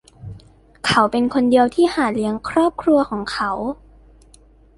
เขาเป็นคนเดียวที่หาเลี้ยงครอบครัวของเขา